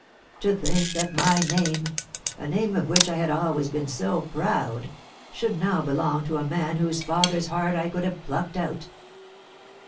To think that my name a name of which I had always been so proud should now belong to a man whose father's heart I could have plucked out!